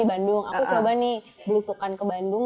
aku coba belusukan ke bandung